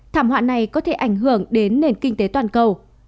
thảm họa này có thể ảnh hưởng đến nền kinh tế toàn cầu